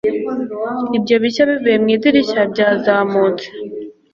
Ibyo bishya bivuye mu idirishya byazamutse